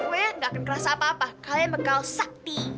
pokoknya gak akan kerasa apa apa kalian bekal sakti